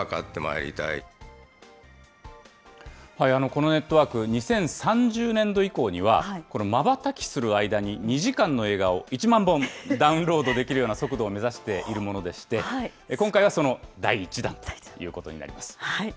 このネットワーク、２０３０年度以降には、このまばたきする間に、２時間の映画を１万本、ダウンロードできるような速度を目指していまして、今回はその第一弾ということになります。